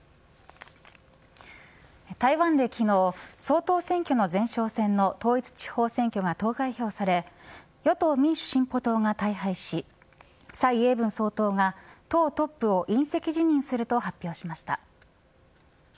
台湾で昨日総統選挙の前哨戦の統一地方選挙が投開票され与党・民主進歩党が大敗し蔡英文総統が党トップを引責辞任すると発表しました。